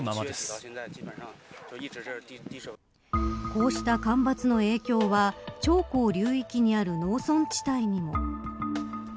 こうした干ばつの影響は長江流域にある農村地帯にも。